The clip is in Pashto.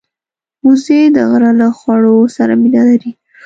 وزې د غره له خواړو سره مینه لري